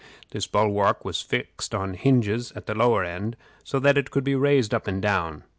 This bulwark was fixed on hinges at the lower end, so that it could be raised up and down.